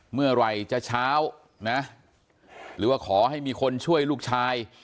เมื่อไหร่จะเช้านะหรือว่าขอให้มีคนช่วยลูกชาย